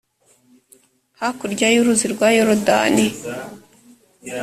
hakurya y’uruzi rwa yorodani